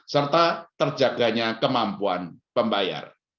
serta terjaganya kemampuan pembayar